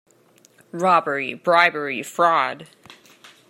Robbery, bribery, fraud,